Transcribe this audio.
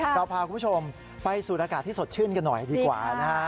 เราพาคุณผู้ชมไปสูดอากาศที่สดชื่นกันหน่อยดีกว่านะฮะ